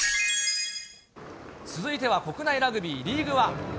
続いては国内ラグビーリーグワン。